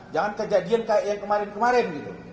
jangan kejadian kayak yang kemarin kemarin gitu